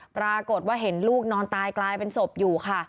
ปรากฏว่าเห็นลูกนอนตายกลายเป็นศพอยู่ค่ะ